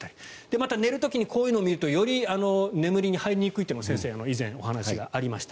また、寝る時にこういうのを見ると眠りに入りにくいと先生、以前お話がありました。